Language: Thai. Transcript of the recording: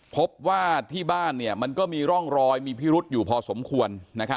พบว่าที่บ้านมันก็มีร่องรอยมีพิรุษอยู่พอสมควร